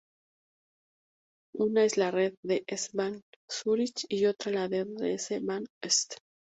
Una es la red de S-Bahn Zúrich y otra, la red de S-Bahn St.